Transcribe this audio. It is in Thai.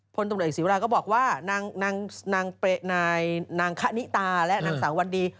พลตำรวจเอกศีวราก็บอกว่านางคณิตาและนางสาววันดี